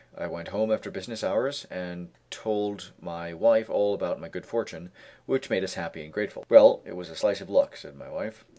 I went home after business hours, and told my wife all about my good fortune, which made us happy and grateful. "Well, it was a slice of luck," said my wife.